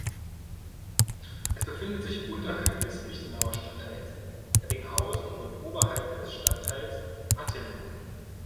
Es befindet sich unterhalb des Lichtenauer Stadtteils Ebbinghausen und oberhalb des Stadtteils Atteln.